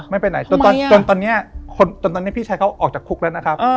ไม่ไปไหนจนตอนนี้จนตอนนี้พี่ชายเขาออกจากคุกแล้วนะครับ